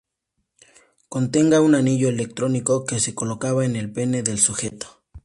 Contenga un anillo electrónico que se colocaba en el pene del sujeto.